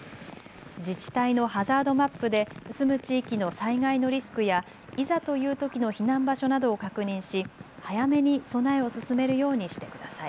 自治体のハザードマップで住む地域の災害のリスクやいざというときの避難場所などを確認し早めに備えを進めるようにしてください。